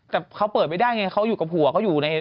แต่เขาเปิดไม่ได้ไงเขาอยู่กับหัวเขาอยู่ใน